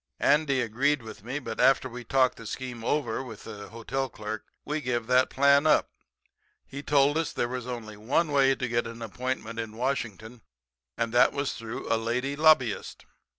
"Andy agreed with me, but after we talked the scheme over with the hotel clerk we give that plan up. He told us that there was only one way to get an appointment in Washington, and that was through a lady lobbyist.